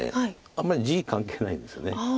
あんまり地関係ないんですよね。